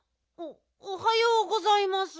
おはようございます。